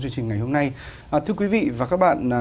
chương trình ngày hôm nay thưa quý vị và các bạn